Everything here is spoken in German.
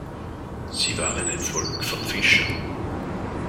Sie waren ein Volk von Fischern.